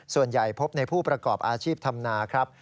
ส่วนใหญ่พบในผู้ประกอบอาชีพธรรมนาครับ